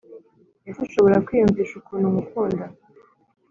Ese ushobora kwiyumvisha ukuntu ngukunda